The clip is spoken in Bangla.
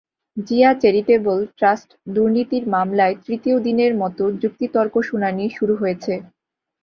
জিয়া চ্যারিটেবল ট্রাস্ট দুর্নীতির মামলায় তৃতীয় দিনের মতো যুক্তিতর্ক শুনানি শুরু হয়েছে।